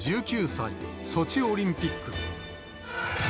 １９歳、ソチオリンピック。